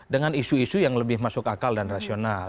dengan isu isu yang lebih masuk akal dan rasional